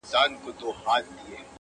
پر جبين باندې لښکري پيدا کيږي!